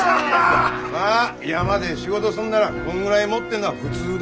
まあ山で仕事すんならこんぐらい持ってんのは普通だ。